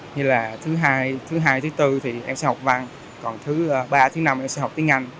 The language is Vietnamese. như là thứ hai thứ hai thứ bốn thì em sẽ học văn còn thứ ba thứ năm em sẽ học tiếng anh